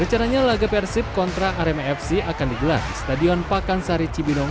rencananya laga persib kontra arema fc akan digelar di stadion pakansari cibinong